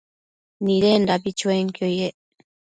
Nidendabi chuenquio yec